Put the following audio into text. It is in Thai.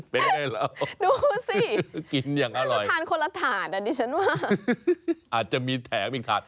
เป๊ะเหรอดูสินี่ก็ทานคนละถาดอ่ะดิฉันว่าอาจจะมีแถมอีกถาด